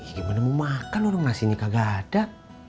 gimana mau makan orang nasi ini kagak ada